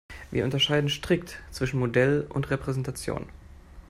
Wir unterscheiden strikt zwischen Modell und Repräsentation.